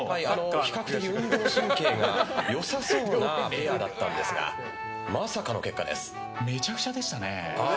比較的運動神経が良さそうなペアだったんですがめちゃくちゃでしたね。